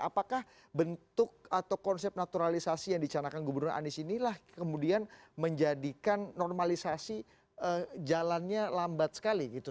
apakah bentuk atau konsep naturalisasi yang dicanakan gubernur anies inilah kemudian menjadikan normalisasi jalannya lambat sekali gitu